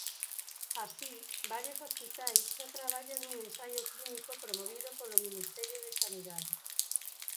Así, varios hospitais xa traballan nun ensaio clínico promovido polo Ministerio de Sanidade.